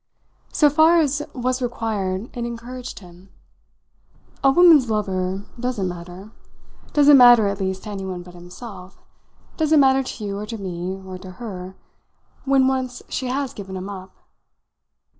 So far as was required it encouraged him. "A woman's lover doesn't matter doesn't matter at least to anyone but himself, doesn't matter to you or to me or to her when once she has given him up."